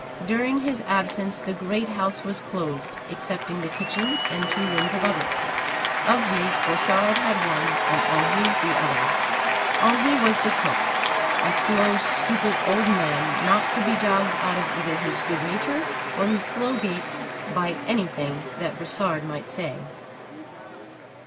During his absence the great house was closed, excepting the kitchen and two rooms above it. Of these Brossard had one and Henri the other. Henri was the cook; a slow, stupid old man, not to be jogged out of either his good nature or his slow gait by anything that Brossard might say.